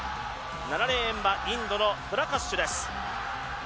７レーンはインドのプラカッシュです。